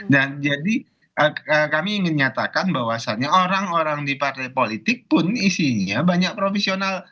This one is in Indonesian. dan jadi kami ingin menyatakan bahwasannya orang orang di partai politik pun isinya banyak profesional